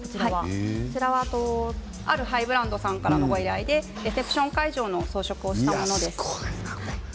こちらはあるハイブランドさんからのご依頼で、レセプション会場の装飾をしたものです。